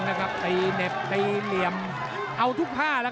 หรือว่าผู้สุดท้ายมีสิงคลอยวิทยาหมูสะพานใหม่